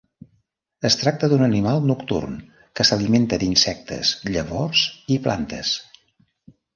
Es tracta d'un animal nocturn que s'alimenta d'insectes, llavors i plantes.